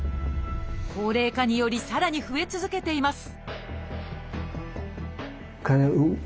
高齢化によりさらに増え続けています